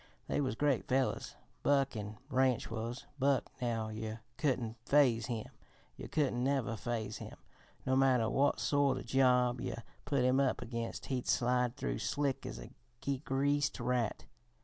They was great fellers, Buck an' Ranch was. Buck, now yer couldn't phase him, yer couldn't never phase him, no matter what sort o' job yer put him up against he'd slide through slick as a greased rat.